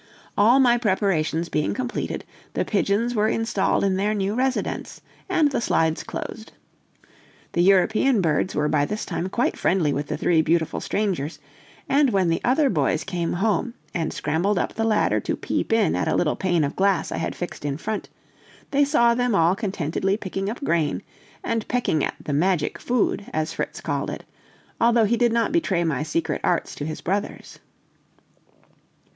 All my preparations being completed, the pigeons were installed in their new residence, and the slides closed. The European birds were by this time quite friendly with the three beautiful strangers; and when the other boys came home, and scrambled up the ladder to peep in at a little pane of glass I had fixed in front, they saw them all contentedly picking up grain, and pecking at the "magic food," as Fritz called it, although he did not betray my secret arts to his brothers.